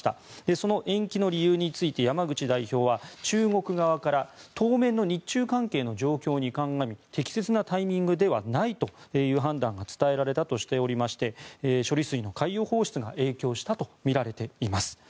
その延期の理由について山口代表は中国側から当面の日中関係の状況に鑑み適切なタイミングではないという判断が伝えられたとしておりまして処理水の海洋放出が影響したとみられています。